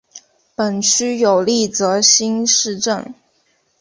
本区有立泽新市镇。